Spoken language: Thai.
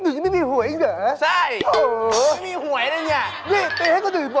หนูยังไม่มีหวยอีกเหรอ